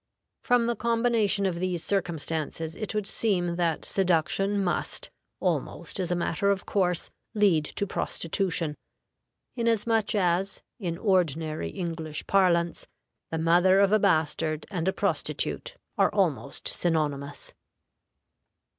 From the combination of these circumstances, it would seem that seduction must, almost as a matter of course, lead to prostitution, inasmuch as, in ordinary English parlance, the mother of a bastard and a prostitute are almost synonymous.